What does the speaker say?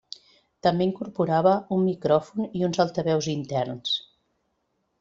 També incorporava un micròfon i uns altaveus interns.